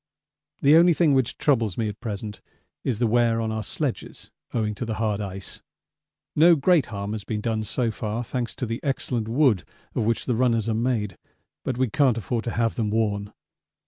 The only thing which troubles me at present is the wear on our sledges owing to the hard ice. No great harm has been done so far, thanks to the excellent wood of which the runners are made, but we can't afford to have them worn.